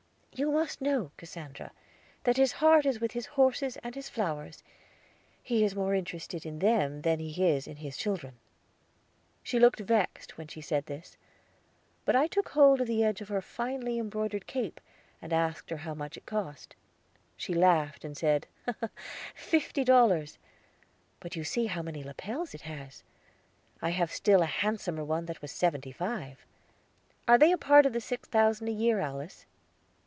"You must know, Cassandra, that his heart is with his horses and his flowers. He is more interested in them than he is in his children." She looked vexed when she said this; but I took hold of the edge of her finely embroidered cape, and asked her how much it cost. She laughed, and said, "Fifty dollars; but you see how many lapels it has. I have still a handsomer one that was seventy five." "Are they a part of the six thousand a year, Alice?"